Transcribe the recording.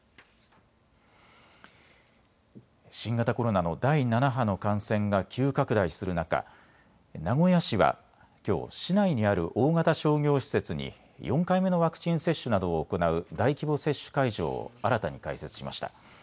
新型コロナの第７波の感染が急拡大する中、名古屋市はきょう市内にある大型商業施設に４回目のワクチン接種などを行う大規模接種会場を新たに開設しました。